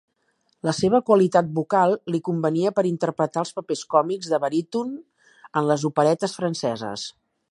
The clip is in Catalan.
La seva qualitat vocal li convenia per interpretar els papers còmics de baríton en les operetes franceses.